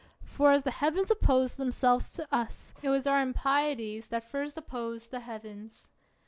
For as the Heavens oppose themselves to us, it was our im pieties that first opposed the Heavens.